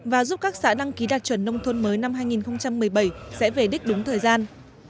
và giúp các xã đăng ký đạt chuẩn nông thôn mới năm hai nghìn một mươi bảy sẽ về đích đúng thời gian